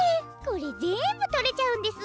これぜんぶとれちゃうんです。